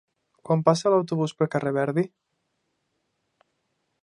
Quan passa l'autobús pel carrer Verdi?